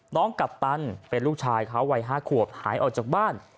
กัปตันเป็นลูกชายเขาวัย๕ขวบหายออกจากบ้าน